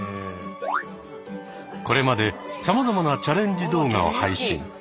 これまでさまざまなチャレンジ動画を配信。